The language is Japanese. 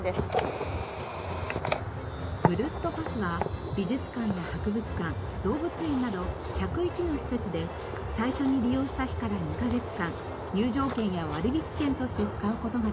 ぐるっとパスは美術館や博物館動物園など１０１の施設で最初に利用した日から２カ月間入場券や割引券として使う事ができます。